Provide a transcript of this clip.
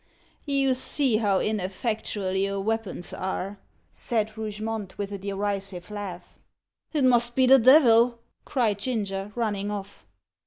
"You see how ineffectual your weapons are," said Rougemont, with a derisive laugh. "It must be the devil!" cried Ginger, running off.